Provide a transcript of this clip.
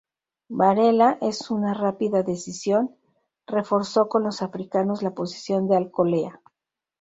Varela, en una rápida decisión, reforzó con los africanos la posición de Alcolea.